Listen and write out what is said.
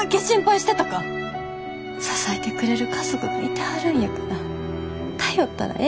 支えてくれる家族がいてはるんやから頼ったらええやないですか。